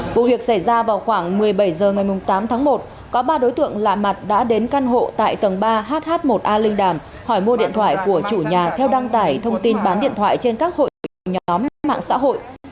vụ việc xảy ra vào khoảng một mươi bảy h ngày tám tháng một có ba đối tượng lạ mặt đã đến căn hộ tại tầng ba hh một a linh đàm hỏi mua điện thoại của chủ nhà theo đăng tải thông tin bán điện thoại trên các hội nhóm mạng xã hội